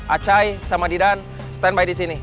acay sama didan stand by disini